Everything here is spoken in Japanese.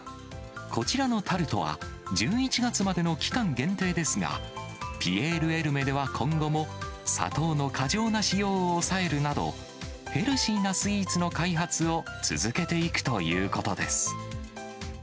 こちらのタルトは、１１月までの期間限定ですが、ピエール・エルメでは、今後も砂糖の過剰な使用を抑えるなど、ヘルシーなスイーツの開発を続けていくということです。